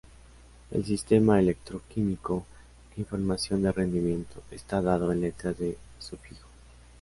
El sistema electroquímico e información de rendimiento está dado en letras de sufijo.